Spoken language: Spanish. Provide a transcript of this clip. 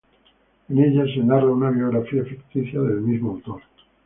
En ella se narra una biografía ficticia del mismo autor.